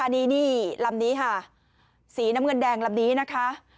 นี่ลำนี้ค่ะสีน้ำเงินแดงลำนี้นะคะ